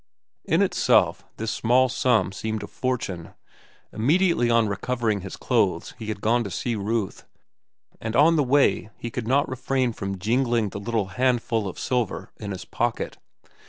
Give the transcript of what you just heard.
In itself, this small sum seemed a fortune. Immediately on recovering his clothes he had gone to see Ruth, and on the way he could not refrain from jingling the little handful of silver in his pocket.